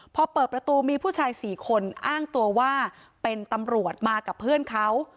พอเปิดประตูมีผู้ชาย๔คนอ้างตัวว่าเป็นตำรวจมากับเพื่อนเขา